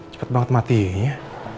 cepet banget matinya